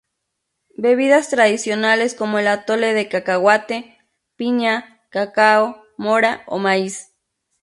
Bebidas Tradicionales como el Atole de Cacahuate, Piña, Cacao, Mora o Maíz.